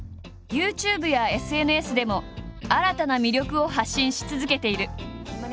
ＹｏｕＴｕｂｅやＳＮＳでも新たな魅力を発信し続けている。